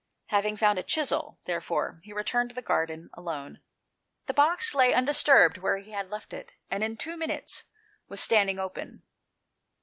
Having found a chisel, therefore, he returned to the garden alone. The box lay undisturbed where he had left it, and in two minutes was standing open.